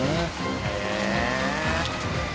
へえ！